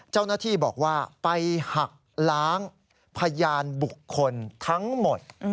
เจ้าหน้าที่บอกว่าไปหักล้างพยานบุคคลทั้งหมด